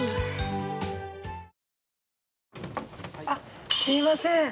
あっすいません。